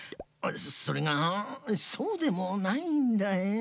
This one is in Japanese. それがそうでもないんだよ。